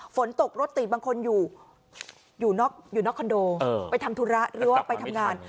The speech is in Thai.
ฝนตกรถติดบางคนอยู่นอกคอนโดไปทำธุระหรือว่าไปทำงาน